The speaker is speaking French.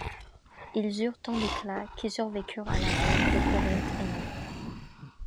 Ils eurent tant d'éclat qu'ils survécurent à la ruine de Corinthe elle-même.